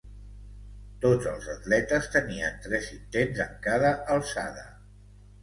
Tots els atletes tenien tres intents en cada alçada.